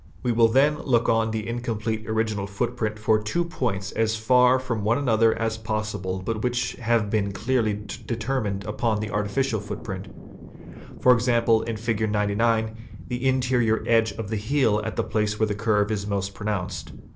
; 3 We will then look on the incomplete m U}——a" original footprint for two points as en J far from one another as possible but C7 Ps which have been clearly determined Pe upon the artificial footprint, for ex ample in Fig. 99 the interior edge Fig. 99. of the heel at the place where the curve is most pronounced.